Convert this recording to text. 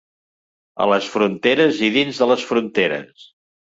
A les fronteres i dins de les fronteres.